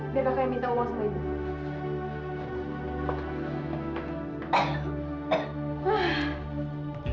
biar kakak yang minta uang sama ibu